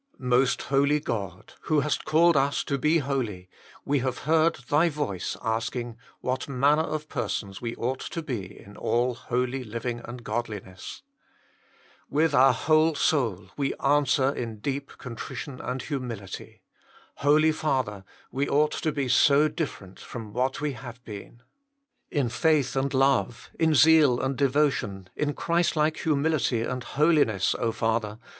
Most Holy God ! who hast called us to be holy, we have heard Thy voice asking, What manner of persons we ought to be in all holy living and godli ness ? With our whole soul we answer in deep contrition and humility: Holy Father! we ought to be so different from what we have been. In faith and love, in zeal and devotion, in Christlike humility and holiness, Father